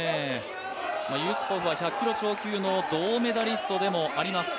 ユスポフは、１００キロ超級の銅メダリストでもあります。